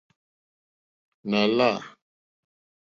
Nà lâ.